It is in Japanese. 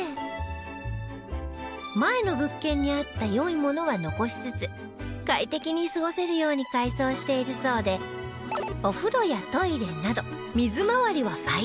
前の物件にあった良いものは残しつつ快適に過ごせるように改装しているそうでお風呂やトイレなど水回りは最新式に